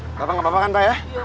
oke bapak nggak apa apa kan pak ya